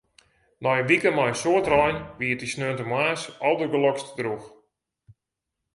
Nei in wike mei in soad rein wie it dy sneontemoarns aldergelokst drûch.